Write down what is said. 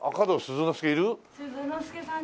鈴之助さん